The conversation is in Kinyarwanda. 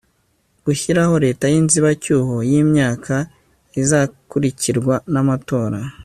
gushyiraho leta y'inzibacyuho y'imyaka izakurikirwa n'amatora